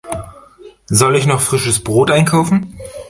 Soll ich noch frisches Brot einkaufen?